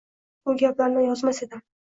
Bu gaplarni yozmas edim.